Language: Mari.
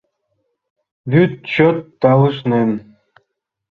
Вӱд чот талышнен